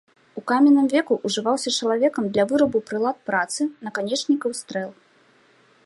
У каменным веку ўжываўся чалавекам для вырабу прылад працы, наканечнікаў стрэл.